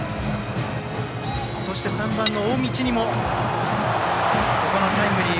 そして３番の大道にもタイムリー。